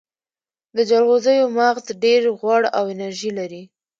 د جلغوزیو مغز ډیر غوړ او انرژي لري.